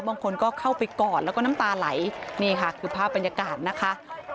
บางคนก็เข้าไปกอดแล้วก็น้ำตาไหลนี่ค่ะคือภาพบรรยากาศนะคะ